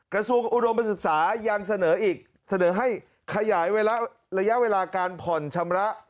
กระทรวงอุดมศึกษายังเสนออีกเสนอให้ขยายระยะเวลาการผ่อนชำระ